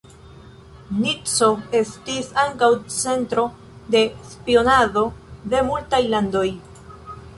Nico estis ankaŭ centro de spionado de multaj landoj.